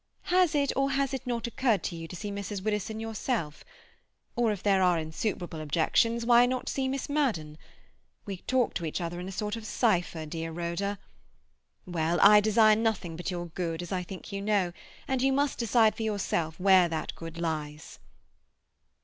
Has it, or has it not, occurred to you to see Mrs. Widdowson herself? Or, if there are insuperable objections, why not see Miss Madden? We talk to each other in a sort of cypher, dear Rhoda. Well, I desire nothing but your good, as I think you know, and you must decide for yourself where that good lies."